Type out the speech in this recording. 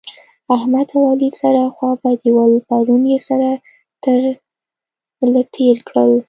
احمد او علي سره خوابدي ول؛ پرون يې سره تر له تېر کړل